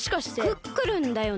クックルンだよね？